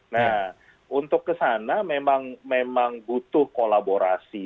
nah untuk ke sana memang butuh kolaborasi